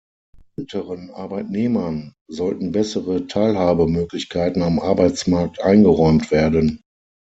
Älteren Arbeitnehmern sollten bessere Teilhabemöglichkeiten am Arbeitsmarkt eingeräumt werden.